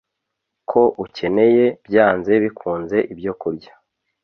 ko ukeneye byanze bikunze ibyokurya